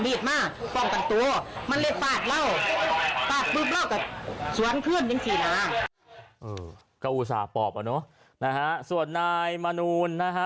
นี่ก็อุตส่าห์ปอบอ่ะเนอะนะฮะส่วนนายมนูลนะฮะ